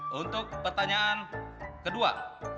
ya untuk pertanyaan kedua